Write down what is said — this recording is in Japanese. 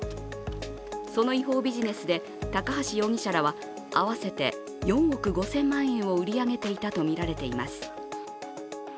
その違法ビジネスで、高橋容疑者らは合わせて４億５０００万円を売り上げていたとみられています。